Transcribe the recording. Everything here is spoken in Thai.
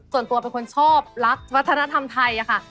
ส่วนตัวเป็นคนชอบรักวัฒนธรรมไทยค่ะ